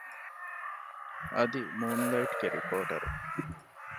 އަދި މޫންލައިޓްގެ ރިޕޯޓަރު